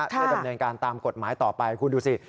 เพื่อดำเนินการตามกฎหมายต่อไปคุณดูสิ